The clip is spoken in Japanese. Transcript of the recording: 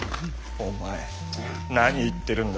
お前何言ってるんだ。